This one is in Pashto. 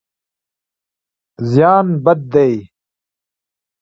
زیان بد دی.